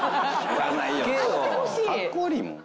かっこ悪いもん。